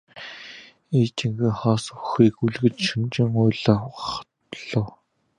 Эхийнхээ хоосон хөхийг үлгэж шөнөжин уйлах болов.